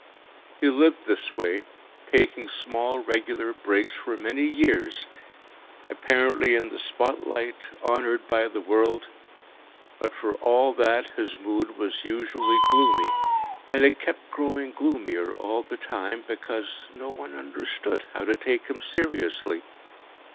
He lived this way, taking small regular breaks, for many years, apparently in the spotlight, honoured by the world, but for all that his mood was usually gloomy, and it kept growing gloomier all the time, because no one understood how to take him seriously.